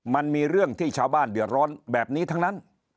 มันมีเรื่องที่ชาวบ้านเดือดร้อนแบบนี้ทั้งนั้น